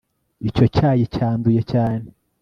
icyo cyayi cyanduye cyane